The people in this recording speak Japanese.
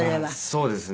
そうですね。